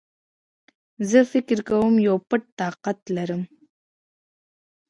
زه فکر کوم يو پټ طاقت لرم